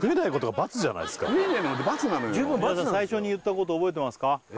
皆さん最初に言ったこと覚えてますか？